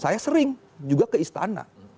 saya sering juga ke istana